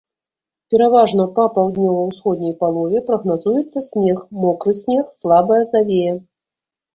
Пераважна па паўднёва-ўсходняй палове прагназуецца снег, мокры снег, слабая завея.